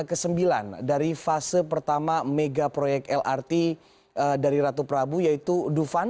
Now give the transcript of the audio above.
kesembilan dari fase pertama mega proyek lrt dari ratu prabu yaitu dufan